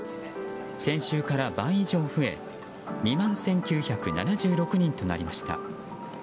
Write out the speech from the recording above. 先週から倍以上増え２万１９７６人となりました。